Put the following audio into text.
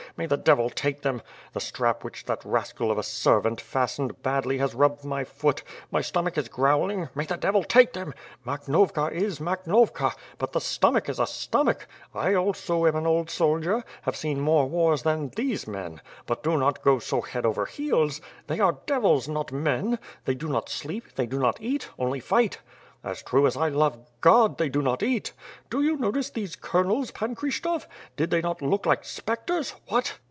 May the devil take them! The strap w^hich that rascal of a servant fastened badly has rubbed my foot; my stomach is growling ... may the Devil take them! Makhnovka'is Makhnovka, but the stomach is a stomach. I am also an old soldier, have seen more wars than these men, but do not go so head over heels. These are devils, not men! They do not sleep, they do not eat, only fight. As true as I love God, they do not eat. Did you notice those Colonels, Pan Kryshtof? Did they not look like spectres? What?"